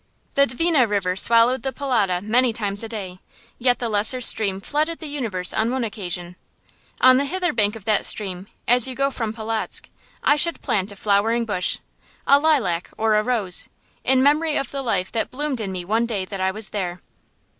The Dvina River swallowed the Polota many times a day, yet the lesser stream flooded the universe on one occasion. On the hither bank of that stream, as you go from Polotzk, I should plant a flowering bush, a lilac or a rose, in memory of the life that bloomed in me one day that I was there.